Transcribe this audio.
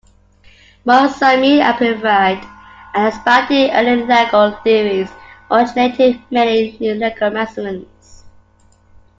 Mar Samuel amplified and expanded earlier legal theories and originated many new legal maxims.